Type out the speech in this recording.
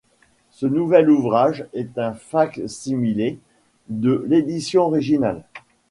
Ce nouvel ouvrage est un fac-similé de l'édition originale.